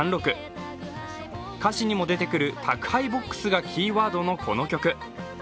歌詞にも出てくる宅配ボックスがキーワードのこの曲。